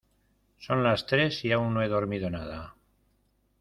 Son las tres y aún no he dormido nada.